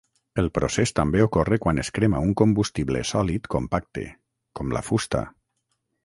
El procés també ocorre quan es crema un combustible sòlid compacte, com la fusta.